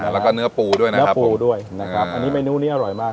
แล้วก็เนื้อปูด้วยนะเนื้อปูด้วยนะครับอันนี้เมนูนี้อร่อยมาก